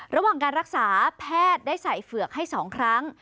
ระหว่างการรักษาแพทย์ได้ใส่เฝือกให้๒ครั้ง